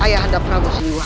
ayah anda perangus di luar